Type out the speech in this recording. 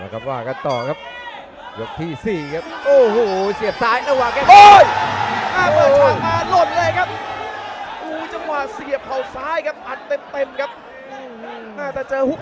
จังหวะเสียผ่าซ้ายคับอันเต็มครับน่าจะเจอฮุป